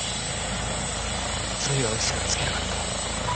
ゾイは嘘をつけなかった。